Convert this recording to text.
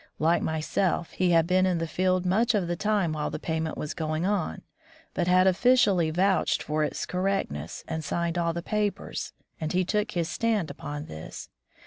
Like myself, he had been in the field much of the time while the payment was going on, but had officiaUy vouched for its correctness and signed all the papers, and he took his stand upon this.